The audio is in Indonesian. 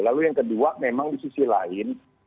lalu yang kedua memang di sisi lain